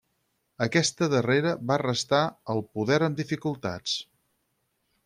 Aquesta darrera va restar al poder amb dificultats.